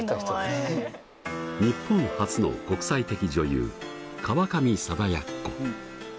日本初の国際的女優川上貞奴。